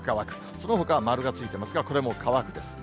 そのほか、丸がついてますがこれも乾くです。